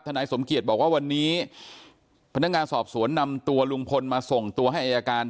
นายสมเกียจบอกว่าวันนี้พนักงานสอบสวนนำตัวลุงพลมาส่งตัวให้อายการ